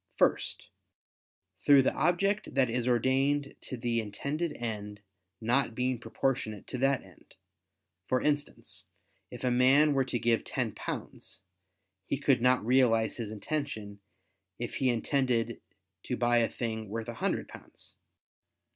First, through the object that is ordained to the intended end not being proportionate to that end; for instance, if a man were to give ten pounds, he could not realize his intention, if he intended to buy a thing worth a hundred pounds.